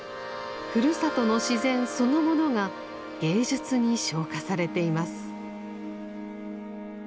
ふるさとの自然そのものが芸術に昇華されています。